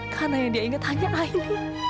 karena yang dia ingat hanya ain